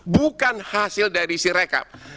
bukan hasil dari sirekap